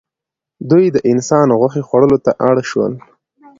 دوی د انسان غوښې خوړلو ته اړ شول.